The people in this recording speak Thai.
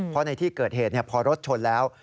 เพราะในที่เกิดเหตุพอรถชนแล้ว